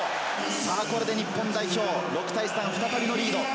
これで日本代表、６対３、再びのリード。